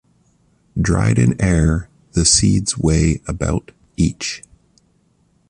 Dried in air, the seeds weigh about each.